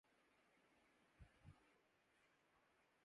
اگرچہ میرے نشیمن کا کر رہا ہے طواف